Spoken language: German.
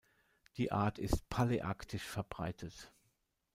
Die Art ist paläarktisch verbreitet.